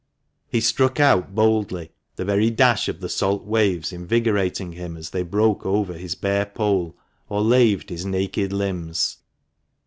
He struck out boldly, the very dash of the salt waves invigorating him as they broke over his bare poll, or laved his naked limbs.